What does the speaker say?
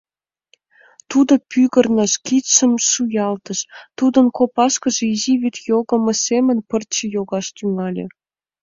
Тудо пӱгырныш, кидшым шуялтыш, тудын копашкыже изи вӱд йогымо семын пырче йогаш тӱҥале.